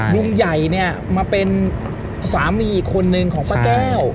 ลุงใหญ่เนี่ยมาเป็นสามีอีกคนนึงของป้าแก้ว